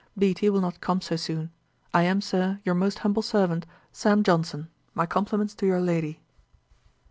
Beattie will not come so soon. I am, Sir, 'Your most humble servant, 'SAM. JOHNSON.' 'My compliments to your lady.'